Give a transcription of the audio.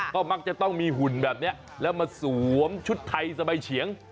ก็มักจะต้องมีหุ่นแบบนี้แล้วมาสวมชุดไทยสบายเฉียง